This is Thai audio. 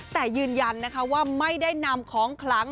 แต่ยืนยันนะคะว่าไม่ได้นำของคลัง